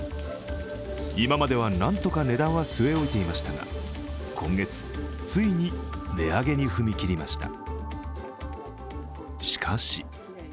今までは何とか値段は据え置いていましたが、今月ついに値上げに踏み切りました。